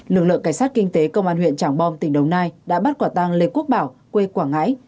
lực lượng cảnh sát kinh tế công an huyện trảng bom tỉnh đồng nai đã bắt quả tang lê quốc bảo quê quảng ngãi